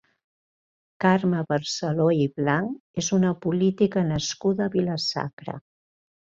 Carme Barceló i Blanch és una política nascuda a Vila-sacra.